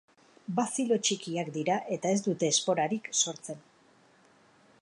Bazilo txikiak dira eta ez dute esporarik sortzen.